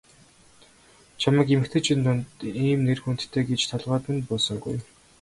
Чамайг эмэгтэйчүүдийн дунд ийм нэр хүндтэй гэж толгойд минь буусангүй.